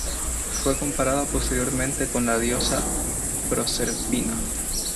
Fue comparada posteriormente con la diosa Proserpina.